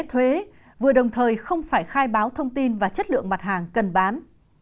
thuế vừa đồng thời không phải khai báo thông tin và chất lượng mặt hàng cần bán